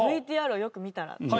ＶＴＲをよく見たら。